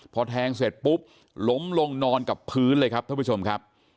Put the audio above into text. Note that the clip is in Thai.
พอแทงเสร็จปุ๊บล้มลงนอนกับพื้นเลยครับท่านผู้ชมครับ